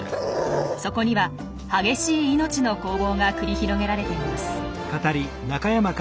そこには激しい命の攻防が繰り広げられています。